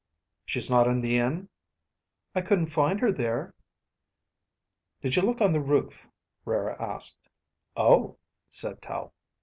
"She's not in the inn?" "I couldn't find her there." "Did you look on the roof?" Rara asked. "Oh," said Tel.